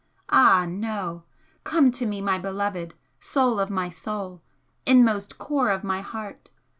Ah no! come to me, my beloved! soul of my soul inmost core of my heart!